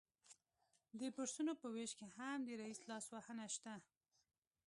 د بورسونو په ویش کې هم د رییس لاسوهنه شته